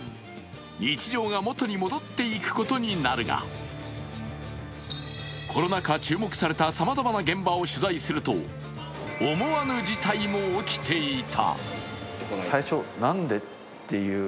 日常が元に戻っていくことになるが、コロナ禍注目されたさまざまな現場を取材すると、思わぬ事態も起きていた。